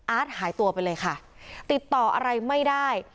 หายตัวไปเลยค่ะติดต่ออะไรไม่ได้